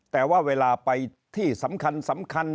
แต่ว่าเวลาไปที่สำคัญสำคัญ